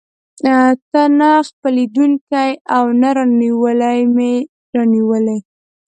ته نه خپلېدونکی او نه رانیولى مې راونیولې.